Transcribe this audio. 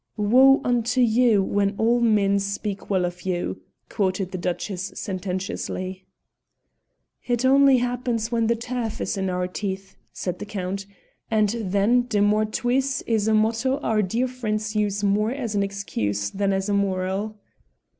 "Woe unto you when all men speak well of you!" quoted the Duchess sententiously. "It only happens when the turf is in our teeth," said the Count, "and then De mortuis is a motto our dear friends use more as an excuse than as a moral."